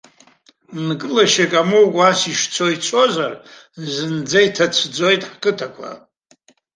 Нкылашьак амоукәа ас ишцо ицозар, зынӡа иҭацәӡоит ҳқыҭақәа.